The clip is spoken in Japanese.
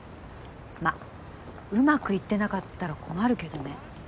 まうまくいってなかったら困るけどね